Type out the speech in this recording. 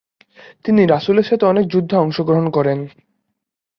তিনি রাসুলের সাথে অনেক যুদ্ধে অংশ গ্রহণ করেন।